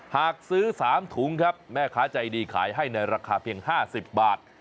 หากซื้อ๓ถุงครับแม่ค้าใจดีขายให้ในราคาเพียง๕๐บาท